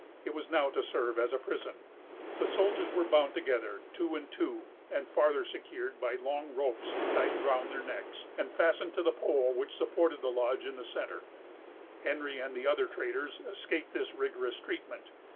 It was now to serve as a prison. The soldiers were bound together, two and two, and farther secured by long ropes tied round their necks, and fastened to the pole which supported the lodge in the centre. Henry and the other traders escaped this rigorous treatment.